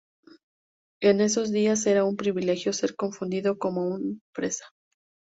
En esos días, era un "privilegio" ser confundido como un "Fresa".